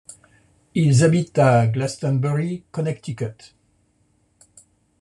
Ils habitent à Glastonbury, Connecticut.